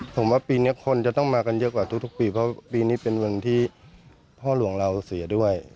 ผมว่าปีนี้คนจะต้องมากันเยอะกว่าทุกปีเพราะปีนี้เป็นวันที่พ่อหลวงเราเสียด้วย